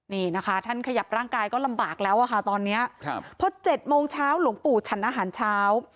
นี่นะคะท่านขยับร่างกายก็ลำบากแล้วอะค่ะตอนนี้พอ๗โมงเช้าหลวงปู่ฉันอาหารเช้า